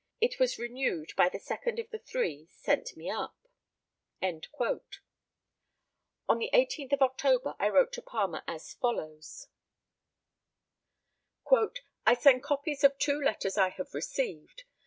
It was renewed by the second of the three sent me up." On the 18th of October I wrote to Palmer as follows: "I send copies of two letters I have received.